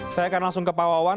saya akan langsung ke pak wawan